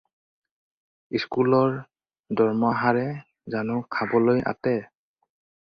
স্কুলৰ দৰমহাৰে জানো খাবলৈ আটে!